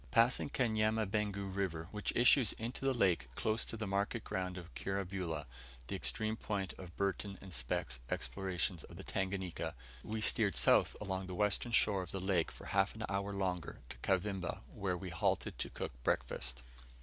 Passing Kanyamabengu River, which issues into the lake close to the market ground of Kirabula, the extreme point of Burton and Speke's explorations of the Tanganika, we steered south along the western shore of the lake for half an hour longer to Kavimba, where we halted to cook breakfast.